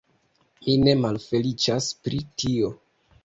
Mi ne malfeliĉas pri tio.